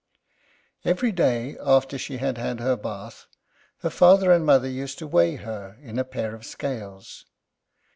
Every day after she had had her bath, her father and mother used to weigh her in a pair of scales.